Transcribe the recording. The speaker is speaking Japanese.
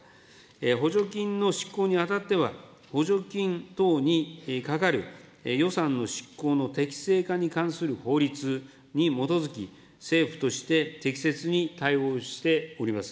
補助金の執行にあたっては、補助金等にかかる予算の執行の適正化に関する法律に基づき、政府として適切に対応しております。